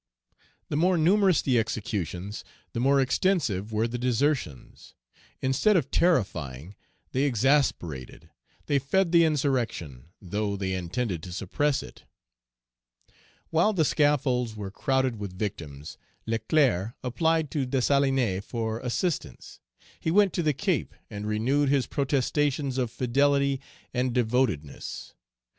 The more numerous the executions, the more extensive were the desertions. Instead of terrifying, they exasperated; they fed the insurrection, though they intended to suppress it. While the scaffolds were crowded with victims, Leclerc applied to Dessalines for assistance. He went to the Cape and renewed his protestations of fidelity and devotedness.